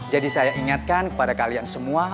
jadi saya ingatkan kepada kalian semua